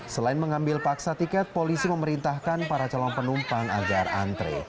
selain mengambil paksa tiket polisi memerintahkan para calon penumpang agar antre